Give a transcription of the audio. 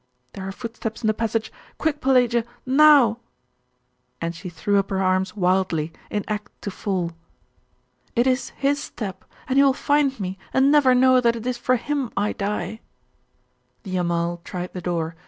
There are footsteps in the passage! Quick, Pelagia! Now ' And she threw up her arms wildly, in act to fall.... 'It is his step! And he will find me, and never know that it is for him I die!' The Amal tried the door.